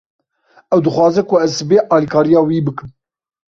Ew dixwaze ku ez sibê alîkariya wî bikim.